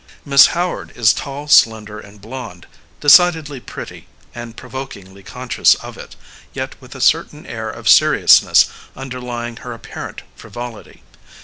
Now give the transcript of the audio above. Miss Howard is tall, slender and blonde decidedly pretty and pro vokingly conscious of it, yet with a certain air of seriousness underlying her apparent frivolity.